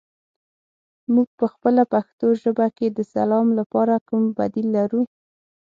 موږ پخپله پښتو ژبه کې د سلام لپاره کوم بدیل لرو؟